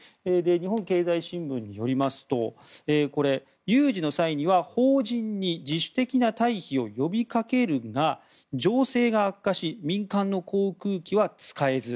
日本経済新聞によりますとこれ、有事の際には邦人に自主的な退避を呼びかけるが情勢が悪化し民間の航空機は使えず。